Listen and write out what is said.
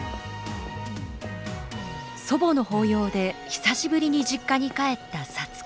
祖母の法要で久しぶりに実家に帰った皐月。